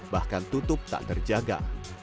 bahkan tutup tak terjaga